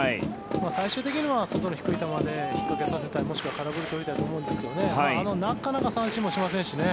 最終的には外の低い球で引っかけさせたいもしくは空振りを取りたいと思うんですけどなかなか三振もしませんしね。